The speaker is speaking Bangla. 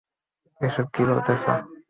এইসব কি বলতেসো!